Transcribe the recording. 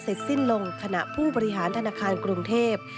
สิ้นลงขณะผู้บริหารธนาคารกรุงเทพ